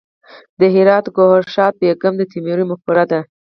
د هرات ګوهردش بیګم د تیموري مقبره ده